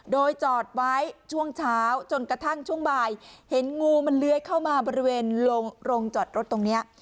โดยจอดไว้ช่วงเช้าจนกระทั่งช่วงบ่ายเห็นงูมันเลื้อยเข้ามาบริเวณโรงจอดรถตรงนี้